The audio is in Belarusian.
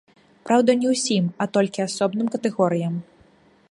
Праўда, не ўсім, а толькі асобным катэгорыям.